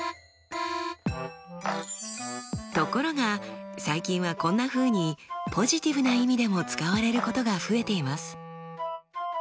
ところが最近はこんなふうにポジティブな意味でも使われることが増えています。